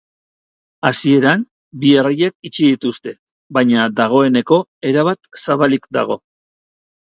Hasieran bi erreiak itxi dituzte, baina dagoeneko erabat zabalik dago.